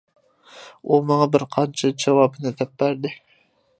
ئۇ ماڭا بىر قانچە جاۋابنى دەپ بەردى.